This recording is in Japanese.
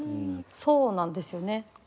そうなんですよね。